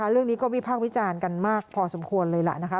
เรื่องนี้ก็วิพากษ์วิจารณ์กันมากพอสมควรเลยล่ะนะคะ